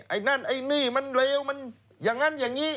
ไอ้นั่นไอ้นี่มันเลวมันอย่างนั้นอย่างนี้